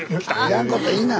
いらんこと言いな。